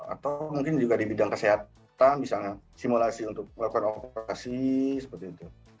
atau mungkin juga di bidang kesehatan misalnya simulasi untuk melakukan operasi seperti itu